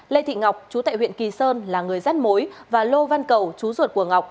lê thị ngọc chú tại huyện kỳ sơn là người rắt mối và lô văn cầu chú ruột của ngọc